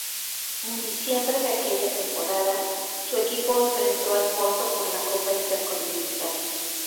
En diciembre de aquella temporada, su equipo enfrentó al Porto por la Copa Intercontinental.